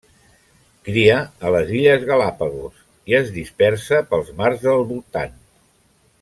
Cria a les illes Galápagos i es dispersa pels mars del voltant.